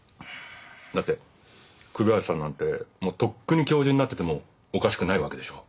だって栗林さんなんてもうとっくに教授になっててもおかしくないわけでしょ。